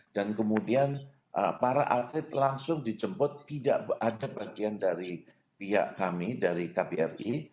dan kemudian para atlet langsung dijemput tidak ada bagian dari pihak kami dari kbri